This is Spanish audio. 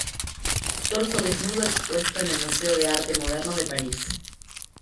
Torso desnudo expuesto en el Museo de Arte Moderno de París.